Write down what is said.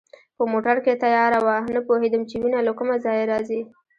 په موټر کې تیاره وه، نه پوهېدم چي وینه له کومه ځایه راځي.